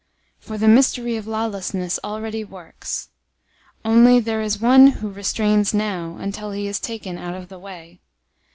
002:007 For the mystery of lawlessness already works. Only there is one who restrains now, until he is taken out of the way.